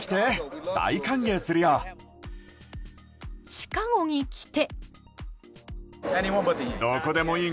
シカゴに来て。